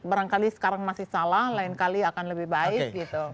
barangkali sekarang masih salah lain kali akan lebih baik gitu